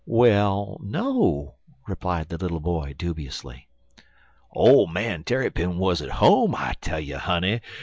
"Well, no," replied the little boy, dubiously. "Ole man Tarrypin 'wuz at home I tell you, honey.